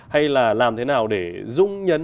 hay là làm thế nào để dung nhấn